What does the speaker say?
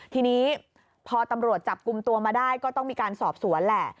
ทีนี้พอตำรวจจับกลุ่มตัวมาได้ก็ต้องมีการสอบสวนแหละ